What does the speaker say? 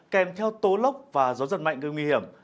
kèm theo tố lốc và gió giật mạnh gây nguy hiểm